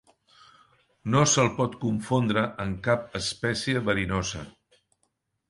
No se'l pot confondre amb cap espècie verinosa.